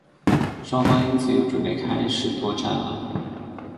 双方因此又准备开始作战了。